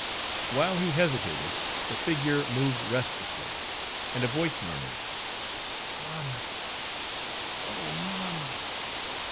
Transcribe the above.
While he hesitated, the figure moved restlessly, and a voice murmured: "Mamma, oh, mamma!"